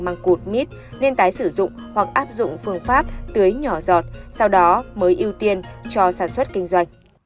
mang cụt mít nên tái sử dụng hoặc áp dụng phương pháp tưới nhỏ giọt sau đó mới ưu tiên cho sản xuất kinh doanh